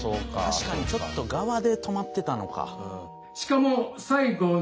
確かにちょっと側で止まってたのか。